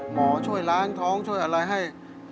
หมอช่วยล้างท้องช่วยอะไรให้